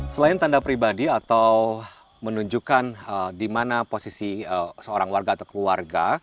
selain tanda pribadi atau menunjukkan di mana posisi seorang warga atau keluarga